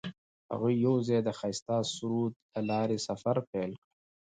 هغوی یوځای د ښایسته سرود له لارې سفر پیل کړ.